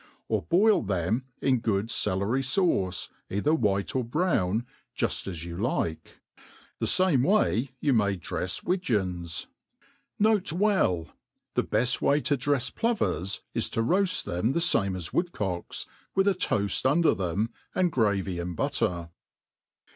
Or boil them in good cclery faucc, either white or brown, juft as you like. The fame way you may drefs wigeons. > N. B, The heft way to drefs plovers, is to roaft them the, fame as woodcocks, with a toaft under them, and gravy and butter.